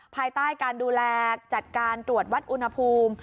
ภายใต้การดูแลจัดการตรวจวัดอุณหภูมิ